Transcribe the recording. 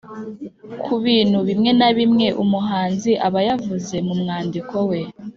ku bintu bimwe na bimwe umuhanzi aba yavuze mu mwandiko we